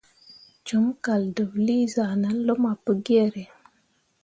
Com kaldeɓlii zah nan luma Pugiere.